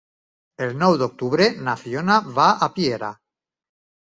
El nou d'octubre na Fiona va a Piera.